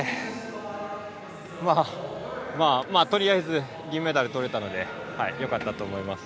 とりあえず銀メダルとれたのでよかったと思います。